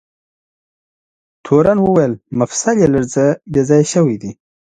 تورن وویل: مفصل یې لږ څه بې ځایه شوی دی.